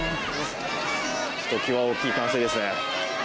ひときわ大きい歓声ですね。